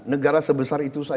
negara sebesar itu saja